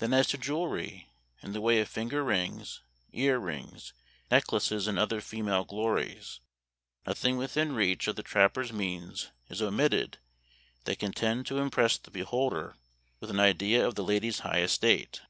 Then as to jewelry, in the way of finger rings, ear rings, necklaces, and other female glories, nothing within reach of the trapper's means is omitted that can tend Memoir of Washington Irving. 241 to impress the beholder with an idea of the lady's high estate.